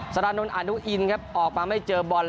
สารานนทอนุอินครับออกมาไม่เจอบอล